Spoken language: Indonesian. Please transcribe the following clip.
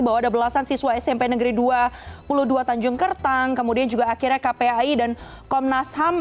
bahwa ada belasan siswa smp negeri dua puluh dua tanjung kertang kemudian juga akhirnya kpai dan komnas ham